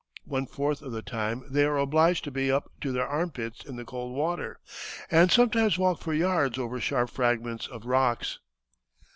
One fourth of the time they are obliged to be up to their arm pits in the cold water, and sometimes walk for yards over sharp fragments of rocks."